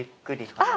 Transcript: あっ！